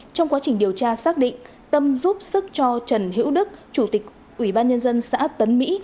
trong quá trình điều tra xác định tâm giúp sức cho trần hữu đức chủ tịch ủy ban nhân dân xã tấn mỹ